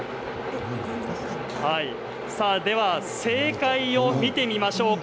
正解を見てみましょうか。